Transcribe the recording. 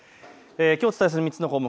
きょうお伝えする３つの項目